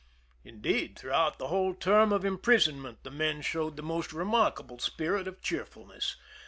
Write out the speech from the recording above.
Indeed, throughout the whole term of imprisonment the men showed the most remark able spirit of cheerfulness.